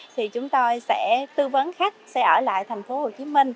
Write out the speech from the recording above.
thì chúng tôi sẽ tư vấn khách sẽ ở lại tp hcm